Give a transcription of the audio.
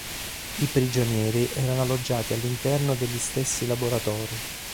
I prigionieri erano alloggiati all'interno degli stessi laboratori.